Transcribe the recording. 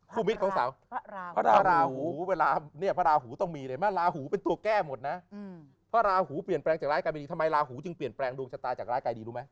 มิตรของสาวพระราหูเวลาเนี่ยพระราหูต้องมีเลยไหมลาหูเป็นตัวแก้หมดนะพระราหูเปลี่ยนแปลงจากร้ายกลายเป็นดีทำไมลาหูจึงเปลี่ยนแปลงดวงชะตาจากร้ายกายดีรู้ไหม